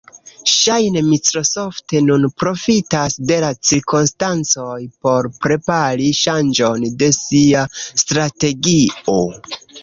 Ŝajne Microsoft nun profitas de la cirkonstancoj por prepari ŝanĝon de sia strategio.